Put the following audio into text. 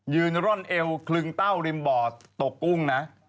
ร่อนเอวคลึงเต้าริมบ่อตกกุ้งนะ